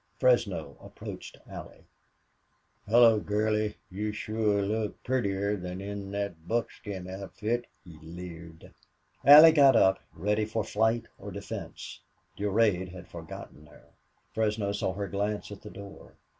Fresno approached Allie. "Hullo, gurly! You sure look purtier than in thet buckskin outfit," he leered. Allie got up, ready for fight or defense. Durade had forgotten her. Fresno saw her glance at the door.